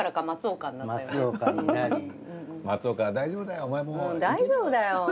松岡大丈夫だよ。